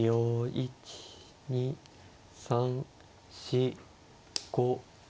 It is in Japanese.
１２３４５。